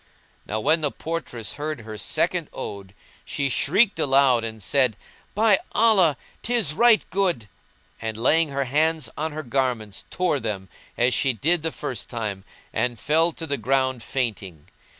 Now when the portress heard her second ode she shrieked aloud and said, "By Allah! 'tis right good!"; and laying hands on her garments tore them, as she did the first time, and fell to the ground fainting.